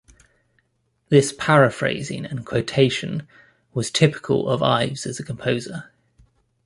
This paraphrasing and quotation was typical of Ives as a composer.